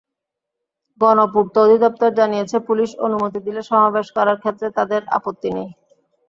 গণপূর্ত অধিদপ্তর জানিয়েছে, পুলিশ অনুমতি দিলে সমাবেশ করার ক্ষেত্রে তাদের আপত্তি নেই।